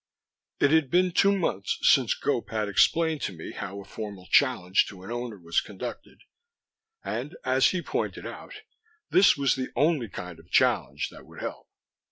It had been two months since Gope had explained to me how a formal challenge to an Owner was conducted, and, as he pointed out, this was the only kind of challenge that would help.